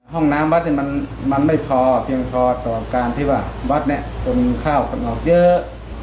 ห้องน้ำวัดเนี่ยมันไม่พอเพียงพอต่อการที่ว่าวัดเนี่ยคนข้าวคนออกเยอะ